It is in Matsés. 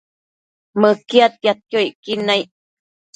Mëquiadtiadquio icquid naic